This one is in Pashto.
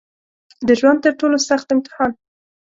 د ژوند تر ټولو سخت امتحان